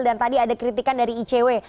dan tadi ada kritikan dari icw